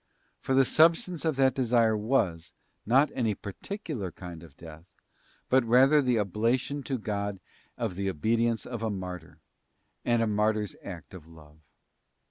For the substance of that desire was, not any particular kind of death, but rather the oblation to God of the obedience of a martyr, and a martyr's act of love.